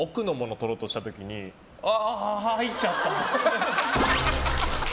とろうとした時にああ入っちゃった。